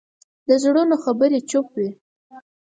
د زړونو خبرې چوپ وي